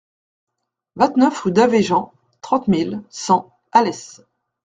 vingt-neuf rue d'Avéjan, trente mille cent Alès